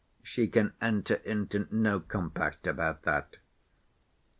She can enter into no compact about that.